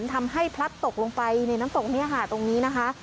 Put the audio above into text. ทำให้พลัดตกลงไปในน้ำตกนี้ตรงนี้นะคะ